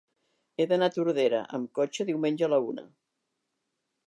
He d'anar a Tordera amb cotxe diumenge a la una.